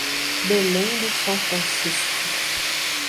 Belém do São Francisco